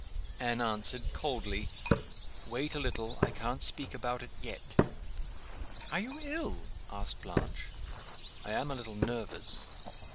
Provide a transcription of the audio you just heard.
Anne answered, coldly, "Wait a little. I can't speak about it yet." "Are you ill?" asked Blanche. "I am a little nervous."